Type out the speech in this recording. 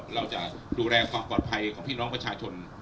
เราจะดูแลความปลอดภัยของพี่น้องประชาชน